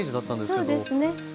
そうですね。